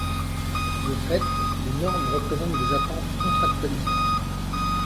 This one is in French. De fait, les normes représentent des attentes contractualisées.